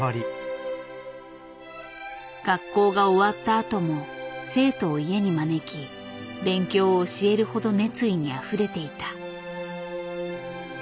学校が終わったあとも生徒を家に招き勉強を教えるほど熱意にあふれていた。